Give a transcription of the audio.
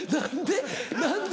何で？